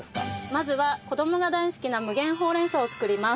まずは子どもが大好きな無限ほうれん草を作ります。